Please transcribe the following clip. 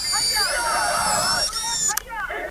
ستا په څېر غوندي سړي خدمت کومه !.